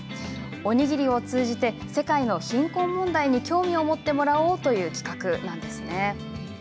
おにぎりを通じて世界の貧困問題に興味を持ってもらおうという企画です。